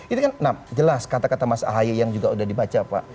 itu kan jelas kata kata mas ahaye yang juga sudah dibaca pak